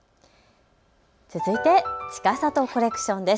ちかさとコレクションです。